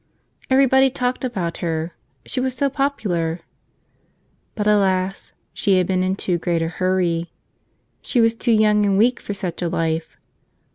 Everybody talked about her; she was so popular. But alas! she had been in too great a hurry. She was too young and weak for such a life.